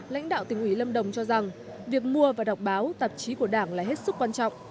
lãnh đạo tỉnh ủy lâm đồng cho rằng việc mua và đọc báo tạp chí của đảng là hết sức quan trọng